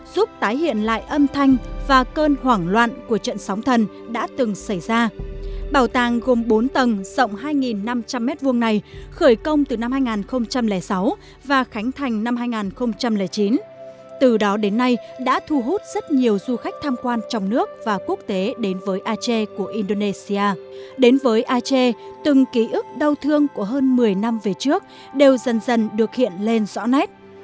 đến với aceh từng ký ức đau thương của hơn một mươi năm về trước đều dần dần được hiện lên rõ nét